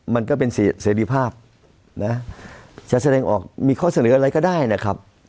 มันก็เป็นเสรีภาพนะจะแสดงออกมีข้อเสนออะไรก็ได้นะครับ